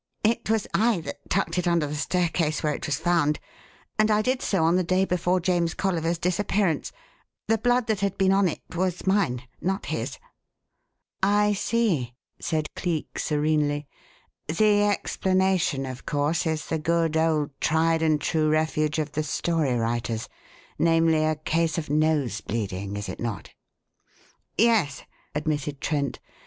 It was I that tucked it under the staircase where it was found, and I did so on the day before James Colliver's disappearance. The blood that had been on it was mine, not his." "I see," said Cleek, serenely. "The explanation, of course, is the good, old tried and true refuge of the story writers namely, a case of nose bleeding, is it not?" "Yes," admitted Trent.